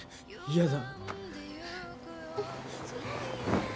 嫌だ！